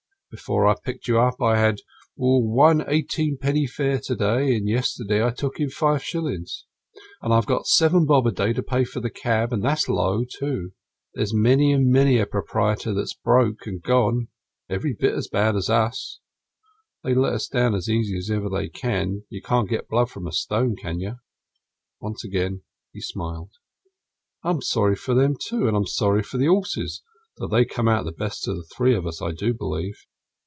Before I picked you up, I had one eighteen penny fare to day; and yesterday I took five shillings. And I've got seven bob a day to pay for the cab, and that's low, too. There's many and many a proprietor that's broke and gone every bit as bad as us. They let us down as easy as ever they can; you can't get blood from a stone, can you?" Once again he smiled. "I'm sorry for them, too, and I'm sorry for the horses, though they come out best of the three of us, I do believe."